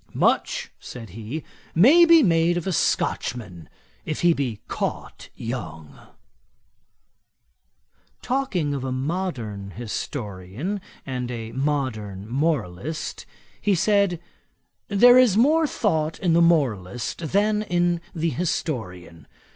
'Much (said he,) may be made of a Scotchman, if he be caught young.' Talking of a modern historian and a modern moralist, he said, 'There is more thought in the moralist than in the historian.